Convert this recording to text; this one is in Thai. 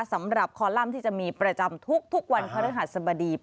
สำหรับคอลัมป์ที่จะมีประจำทุกวันพระฤหัสบดี